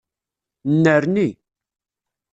Nnerni.